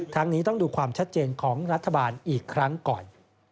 นี้ต้องดูความชัดเจนของรัฐบาลอีกครั้งก่อน